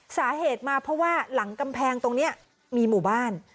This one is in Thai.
สาเหตุมาเพราะว่าหลังกำแพงตรงนี้มีหมู่บ้าน